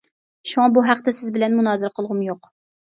شۇڭا بۇ ھەقتە سىز بىلەن مۇنازىرە قىلغۇم يوق.